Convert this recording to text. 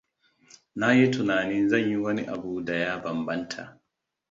Na yi tunanin zan yi wani abu da ya banbanta.